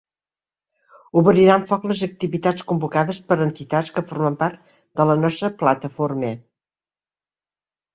Obriran foc les activitats convocades per entitats que formen part de la nostra plataforma.